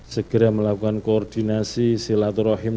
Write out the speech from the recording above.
segera melakukan koordinasi silaturahim